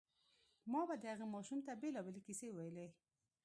ما به دغه ماشوم ته بېلابېلې کيسې ويلې.